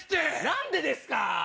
何でですか！